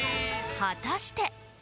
果たして。